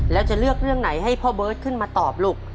แล้วจะเลือกเรื่องไหนให้พ่อเบิร์ตขึ้นมาตอบลูก